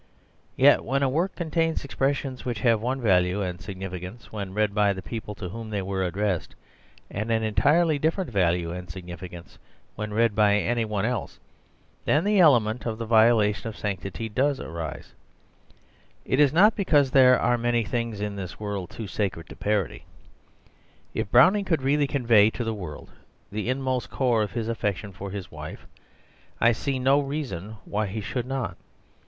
Yet when a work contains expressions which have one value and significance when read by the people to whom they were addressed, and an entirely different value and significance when read by any one else, then the element of the violation of sanctity does arise. It is not because there is anything in this world too sacred to tell. It is rather because there are a great many things in this world too sacred to parody. If Browning could really convey to the world the inmost core of his affection for his wife, I see no reason why he should not.